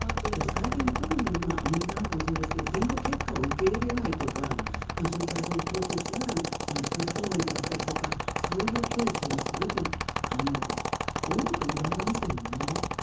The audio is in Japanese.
最近、特にアメリカもそうですけど選挙結果を受け入れないとかそれからプロセスが不透明であったりとかそういうケースがすごく多く見られますよね。